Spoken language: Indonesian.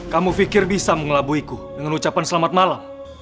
kamu fikir bisa mengelabuhiku dengan ucapan selamat malam